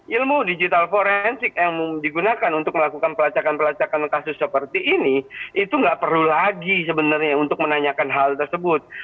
ilmu digital forensik yang digunakan untuk melakukan pelacakan pelacakan kasus seperti ini itu nggak perlu lagi sebenarnya untuk menanyakan hal tersebut